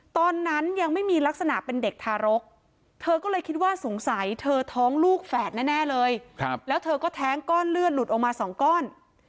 ตอนนั้นยังไม่มีลักษณะเป็นเด็กทารกเธอก็เลยคิดว่าสงสัยเธอท้องลูกแฝดแน่เลยแล้วเธอก็แท้งก้อนเลือดหลุดออกมาสองก้อน